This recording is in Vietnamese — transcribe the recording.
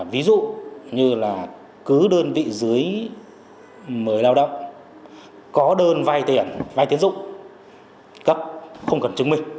ví dụ như là cứ đơn vị dưới mới lao động có đơn vai tiền vai tiến dụng cấp không cần chứng minh